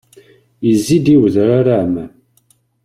Yezzi-d i wedrar aɛmam.